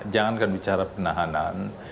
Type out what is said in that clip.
jangan kan bicara penahanan